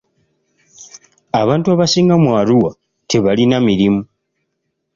Abantu abasinga mu Arua tebalina mirimu.